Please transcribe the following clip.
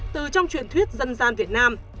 từ trong truyền thuyết dân gian việt nam